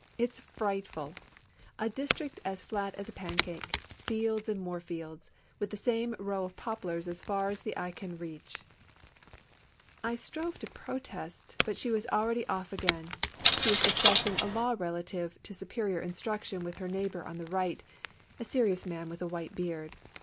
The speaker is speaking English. " It's frightful ! A district as flat as a pancake — fields and more fields, with the same row of poplars as far as the eye can reach 1 I strove to protest, but she was already off again — she was discussing a law relative to superior instruction with her neighbor on the right, a serious man with a white beard.